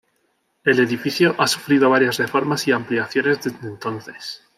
El edificio ha sufrido varias reformas y ampliaciones desde entonces.